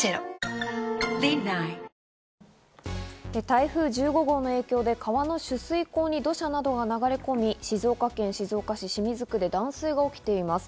台風１５号の影響で川の取水口に土砂などが流れ込み、静岡県静岡市清水区で断水が起きています。